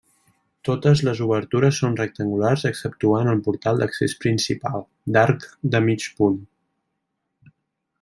Totes les obertures són rectangulars exceptuant el portal d'accés principal, d'arc de mig punt.